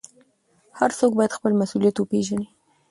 هر څوک باید خپل مسوولیت وپېژني.